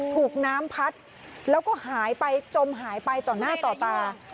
ถูกน้ำพัดแล้วก็หายไปจมหายไปต่อหน้าต่อตา